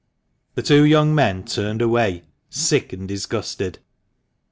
The two young men turned away sick and disgusted.